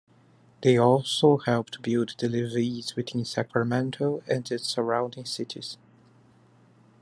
They also helped build the levees within Sacramento and its surrounding cities.